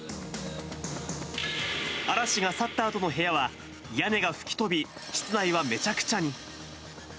嵐が去ったあとの部屋は、屋根が吹き飛び、室内はめちゃくちゃに。